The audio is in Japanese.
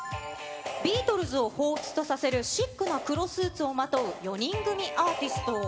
ビートルズをほうふつとさせる、シックな黒スーツをまとう４人組アーティスト。